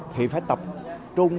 thì phải tập trung